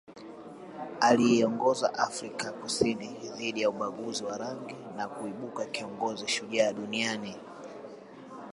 Aliiongoza Afrika ya Kusini dhidi ya ubaguzi wa rangi na kuibuka kiongozi shujaa duniani